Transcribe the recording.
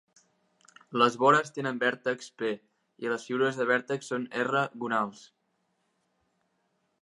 Les vores tenen vèrtexs "p", i les figures de vèrtexs són "r-gonals".